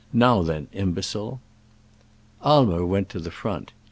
Now then, im becile !" Aimer went to the front.